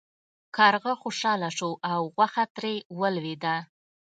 کارغه خوشحاله شو او غوښه ترې ولویده.